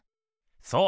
そう！